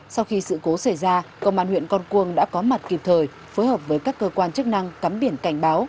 sau khi sự cố xảy ra công an huyện con cuông đã có mặt kịp thời phối hợp với các cơ quan chức năng cắm biển cảnh báo